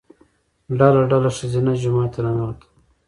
ډله ډله ښځینه جومات ته ننوتل.